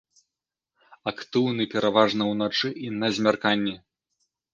Актыўны пераважна ўначы і на змярканні.